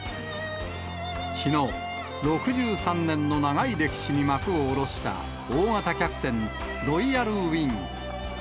きのう、６３年の長い歴史に幕を下ろした大型客船、ロイヤルウイング。